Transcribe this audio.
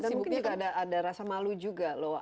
dan mungkin juga ada rasa malu juga